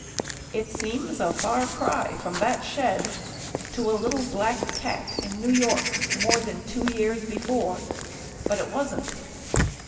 It seems a far cry from that shed to a little black cat in New York, more than two years before, but it wasn't.